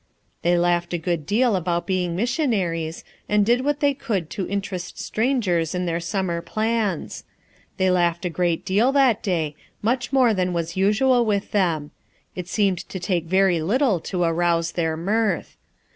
They laughed a good deal about being mis sionaries, and did what they could to inter est strangers in their summer plans. They laughed a great deal that day, much more than was usual with them; it seemed to take very FOUR MOTHERS AT CHAUTAUQUA 57 little to arouse their mirth.